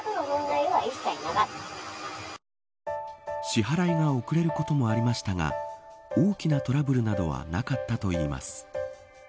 支払いが遅れることもありましたが大きなトラブルなどはなかったといいます。